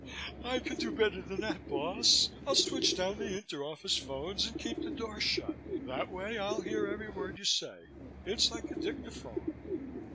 "I can do better than that, boss. I'll switch down the inter office phones and keep the door shut. That way. I'll hear every word you say. It's like a dictaphone."